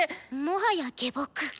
もはや下僕。